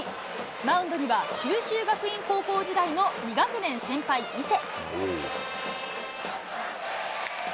マウンドには九州学院高校時代の２学年先輩、伊勢。